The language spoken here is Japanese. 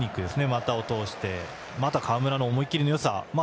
股を通してまた、川村の思い切りのよさ。